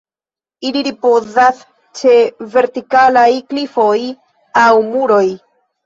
Ili ripozas ĉe vertikalaj klifoj aŭ muroj.